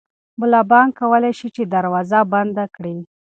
ملا بانګ کولی شي چې دروازه بنده کړي.